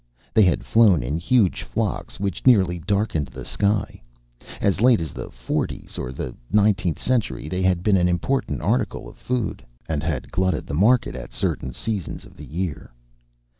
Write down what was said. They had flown in huge flocks which nearly darkened the sky. As late as the forties of the nineteenth century they had been an important article of food, and had glutted the market at certain seasons of the year.